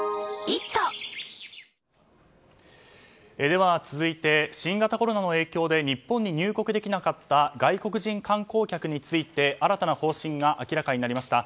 では続いて新型コロナの影響で日本に入国できなかった外国人観光客について新たな方針が明らかになりました。